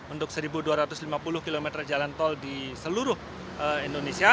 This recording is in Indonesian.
untuk satu dua ratus lima puluh km jalan tol di seluruh indonesia